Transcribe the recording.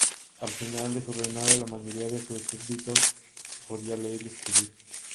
Al final de su reinado, la mayoría de sus súbditos podía leer y escribir.